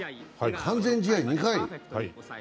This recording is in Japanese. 完全試合２回。